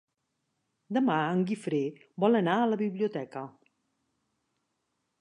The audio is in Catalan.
Demà en Guifré vol anar a la biblioteca.